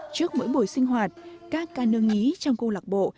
trước mỗi buổi sinh hoạt các ca nương nhí trong câu lạc bộ